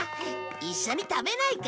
一緒に食べないか？